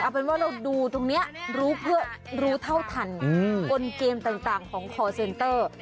เอาเป็นว่าเราดูตรงนี้รู้เพื่อรู้เท่าทันกลเกมต่างของคอร์เซนเตอร์